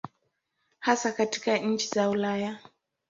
Hasa katika nchi za Ulaya.